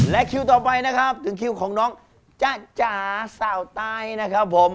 และคิวต่อไปนะครับถึงคิวของน้องจ๊ะจ๋าสาวตายนะครับผม